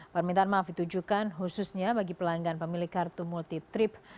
permintaan maaf ditujukan khususnya bagi pelanggan pemilik kartu multi trip